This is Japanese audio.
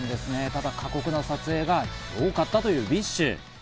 ただ過酷な撮影が多かったというＢｉＳＨ。